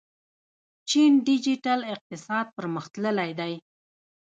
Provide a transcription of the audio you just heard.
چین ډیجیټل اقتصاد پرمختللی دی.